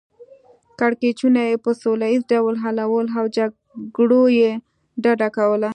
کړکیچونه یې په سوله ییز ډول حلول او له جګړو یې ډډه کوله.